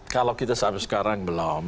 kalau kita sampai sekarang belum